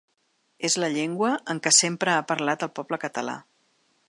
És la llengua en què sempre ha parlat el poble català.